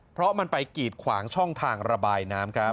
เพราะมันไปกีดขวางช่องทางระบายน้ำครับ